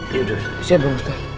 yaudah siap dong ustaz